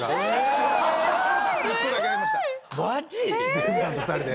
デーブさんと２人で。